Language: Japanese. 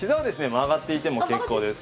曲がっていても結構です。